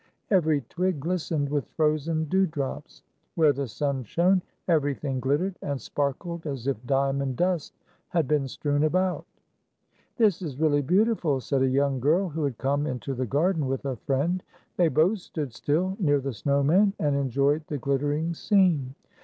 Every twig glistened with frozen dewdrops. Where the sun shone, everything glittered and sparkled, as if diamond dust had been strewn about. " This is really beautiful," said a young girl who had come into the garden with a friend. They both stood still, near the snow man, and enjoyed the glittering scene.